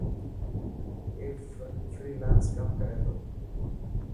اي فرالانس ڪم ڪري تو.